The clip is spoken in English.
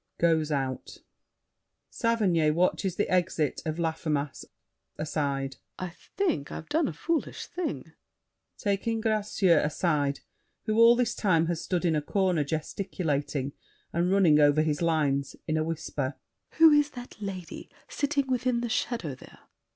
[Goes out. SAVERNY (watches the exit of Laffemas: aside). I think I've done a foolish thing. [Taking Gracieux aside, who all this time has stood in a corner gesticulating and running over his lines: in a whisper. Who is that lady Sitting within the shadow there?